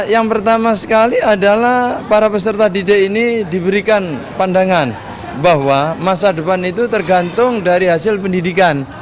yang pertama sekali adalah para peserta didik ini diberikan pandangan bahwa masa depan itu tergantung dari hasil pendidikan